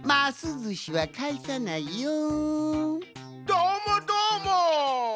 どーもどーもっ！